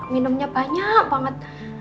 minumnya banyak banget